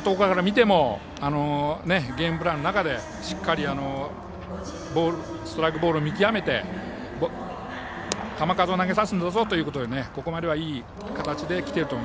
ゲームプランの中でしっかりストライク、ボールを見極めて球数を投げさせるということでここまではいい形できていると思います。